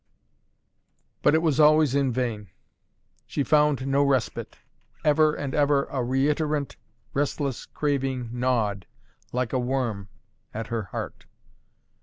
But it was always in vain. She found no respite. Ever and ever a reiterant, restless craving gnawed, like a worm, at her heart.